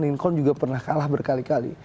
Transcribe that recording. nincon juga pernah kalah berkali kali